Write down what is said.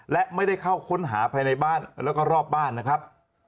และไม่ได้เข้าค้นหาภายในบ้านแล้วก็รอบบ้านนะครับ